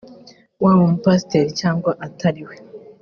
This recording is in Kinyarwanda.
waba umupasiteri cyangwa utari we